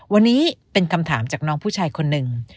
วันนี้เป็นคำถามจากน้องผู้ชายคนหนึ่ง